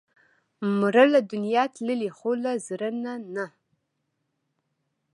مړه له دنیا تللې، خو له زړه نه نه